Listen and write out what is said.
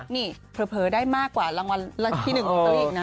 นี่เผลอได้มากกว่ารางวัลลักษณ์ที่๑ของตลอดอีกนะ